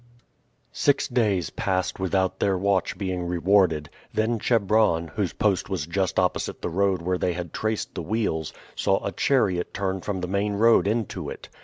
Six days passed without their watch being rewarded; then Chebron, whose post was just opposite the road where they had traced the wheels, saw a chariot turn from the main road into it.